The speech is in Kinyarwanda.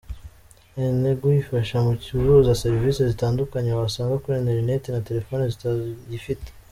E-ntego ifasha mu guhuza serivisi zitandukanye wasanga kuri internet na telefoni zitayifite.